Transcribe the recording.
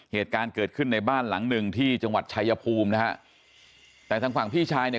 เหตุการณ์เกิดขึ้นในบ้านหลังหนึ่งที่จังหวัดชายภูมินะฮะแต่ทางฝั่งพี่ชายเนี่ย